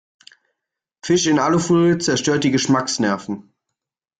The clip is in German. Fisch in Alufolie zerstört die Geschmacksnerven.